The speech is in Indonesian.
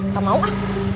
gak mau ah